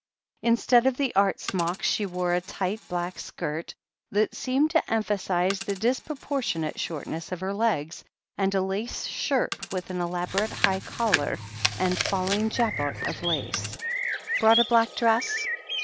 Instead of the art smock, she wore a tight black skirt, that seemed to emphasize the disproportionate shortness of her legs, and a lace shirt with an elaborate high collar and falling jabot of lace. "Brought a black dress